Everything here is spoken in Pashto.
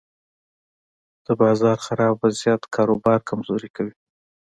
د بازار خراب وضعیت کاروبار کمزوری کوي.